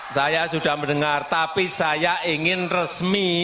saya sudah mendengar tapi saya ingin resmi